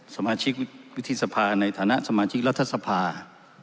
สมาชิกวิทยศภาคในฐานะสมาชิกรัฐศภาค